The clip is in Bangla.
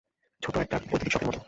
ছোট্ট একটা বৈদ্যুতিক শকের মতো।